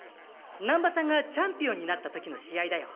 難波さんがチャンピオンになったときの試合だよ。